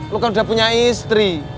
lo kan udah punya istri